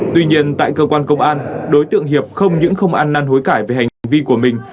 tuy nhiên tại cơ quan công an đối tượng hiệp không những không ăn năn hối cải về hành vi của mình